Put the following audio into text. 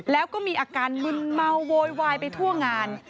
แล้วก็มีอาการมึนเมาโวยวายไปทั่วงาน